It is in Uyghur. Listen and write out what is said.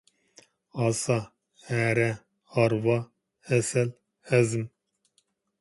ھاسا، ھەرە، ھارۋا، ھەسەل، ھەزىم.